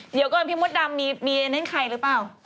เดี๋ยวก่อนพี่มดดำมีอันนั้นใครหรือเปล่า